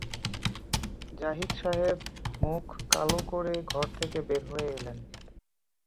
জাহিদ সাহেব মুখ কালো করে ঘর থেকে বের হয়ে এলেন।